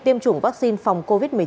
tiêm chủng vaccine phòng covid một mươi chín